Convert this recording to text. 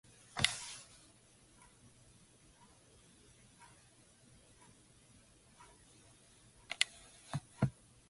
The Salangsdalen Chapel is located in the southern part of the valley.